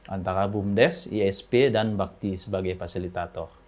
antara bumdes isp dan bakti sebagai fasilitator